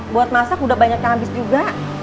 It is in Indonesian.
buat masak udah banyak yang habis juga